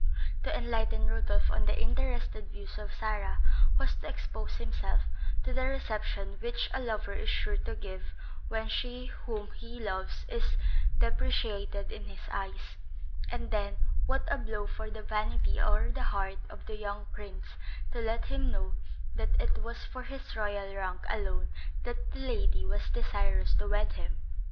To enlighten Rodolph on the interested views of Sarah was to expose himself to the reception which a lover is sure to give when she whom he loves is depreciated in his eyes; and then, what a blow for the vanity or the heart of the young prince, to let him know that it was for his royal rank alone that the lady was desirous to wed him!